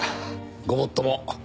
ごもっとも。